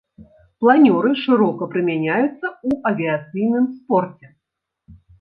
Планёры шырока прымяняюцца ў авіяцыйным спорце.